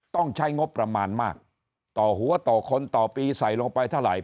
ต้องใช้งบประมาณมากต่อหัวต่อคนต่อปีใส่ลงไปเท่าไหร่